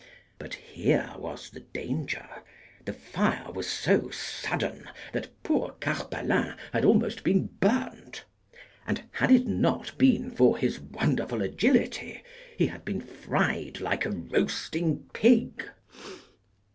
But here was the danger. The fire was so sudden that poor Carpalin had almost been burnt. And had it not been for his wonderful agility he had been fried like a roasting pig.